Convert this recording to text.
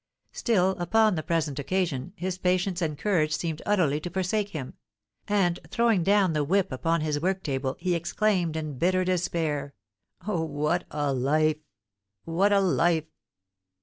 Still, upon the present occasion, his patience and courage seemed utterly to forsake him; and, throwing down the whip upon his work table, he exclaimed, in bitter despair, "Oh, what a life! what a life!"